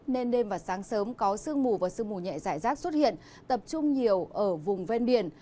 nên đêm và sáng sớm có sương mù và sương mù nhẹ giải rác xuất hiện tập trung nhiều ở vùng ven biển